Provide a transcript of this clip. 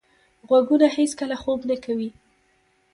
غوږونه هیڅکله خوب نه کوي.